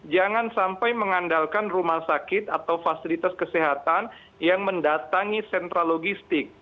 jangan sampai mengandalkan rumah sakit atau fasilitas kesehatan yang mendatangi sentral logistik